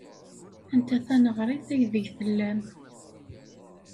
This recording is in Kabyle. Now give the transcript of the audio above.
Anta taneɣrit aydeg tellam?